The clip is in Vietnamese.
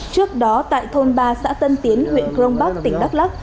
trước đó tại thôn ba xã tân tiến huyện crong bắc tỉnh đắk lắc